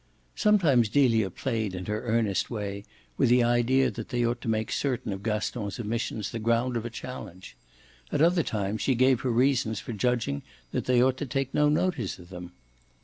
Sometimes Delia played in her earnest way with the idea that they ought to make certain of Gaston's omissions the ground of a challenge; at other times she gave her reasons for judging that they ought to take no notice of them.